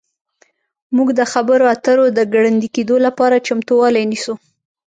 موږ د خبرو اترو د ګړندي کیدو لپاره چمتووالی نیسو